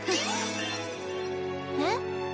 えっ？